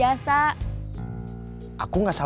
dan baginda saja